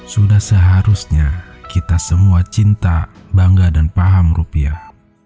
sudah seharusnya kita semua cinta bangga dan paham rupiah